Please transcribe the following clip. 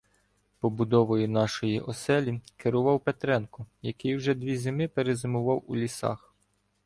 Побудовою нашої оселі керував Петренко, який вже дві зими перезимував у лісах.